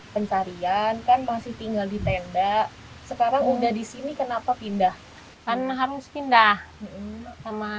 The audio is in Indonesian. pencarian kan masih tinggal di tenda sekarang udah disini kenapa pindah karena harus pindah sama